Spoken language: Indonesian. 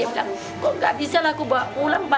masarku itu jadi kan dia jadi ada trauma